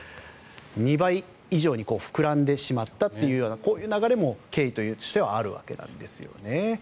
２倍以上に膨らんでしまったというこういう流れも経緯としてはあるわけなんですね。